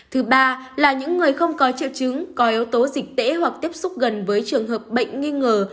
thứ ba là những người không có triệu chứng có yếu tố dịch tễ hoặc tiếp xúc gần với trường hợp bệnh nghi ngờ hoặc sars cov hai